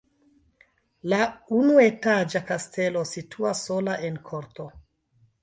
La unuetaĝa kastelo situas sola en korto.